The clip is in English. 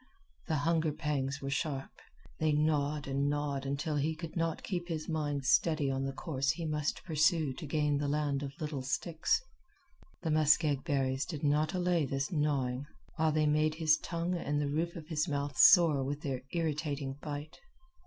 The hunger pangs were sharp. They gnawed and gnawed until he could not keep his mind steady on the course he must pursue to gain the land of little sticks. The muskeg berries did not allay this gnawing, while they made his tongue and the roof of his mouth sore with their irritating bite.